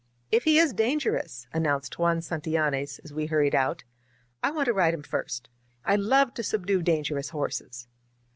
^^If he is dangerous," announced Juan Santillanes, as we hurried out, ^^I want to ride him first. I love to subdue dangerous horses